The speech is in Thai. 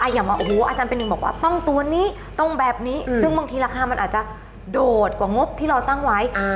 อย่ามาโอ้โหอาจารย์เป็นหนึ่งบอกว่าต้องตัวนี้ต้องแบบนี้ซึ่งบางทีราคามันอาจจะโดดกว่างบที่เราตั้งไว้